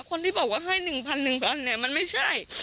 คนที่บอกว่าให้๑๐๐๑๐๐เนี่ยมันไม่ใช่